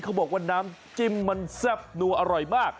เขาบอกว่าน้ำจิ้มมันแซ่บนัวอร่อยมาก